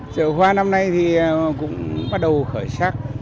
chợ hoa năm nay thì cũng bắt đầu khởi sắc